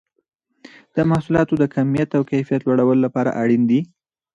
د محصولاتو د کمیت او کیفیت لوړولو لپاره اړین دي.